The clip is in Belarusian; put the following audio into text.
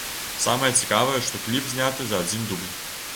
Самае цікавае, што кліп зняты за адзін дубль.